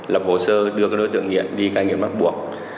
lập hồ sơ đưa các đối tượng nghiện đi cai nghiện bắt buộc